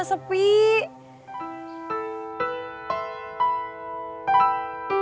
sampai jumpa lagi